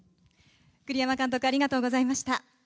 栗山監督ありがとうございました。